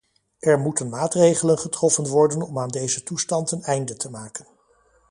Er moeten maatregelen getroffen worden om aan deze toestand een einde te maken.